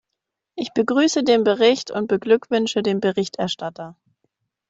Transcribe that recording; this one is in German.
Ich begrüße den Bericht und beglückwünsche den Berichterstatter.